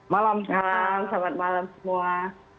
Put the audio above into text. selamat malam semua